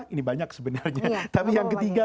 ini banyak sebenarnya tapi yang ketiga